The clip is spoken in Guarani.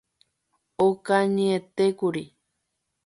Okañyetékuri.